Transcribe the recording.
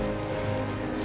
gak usah dipikirin